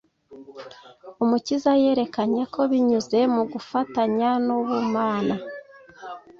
Umukiza yerekanye ko binyuze mu gufatanya n’Ubumana,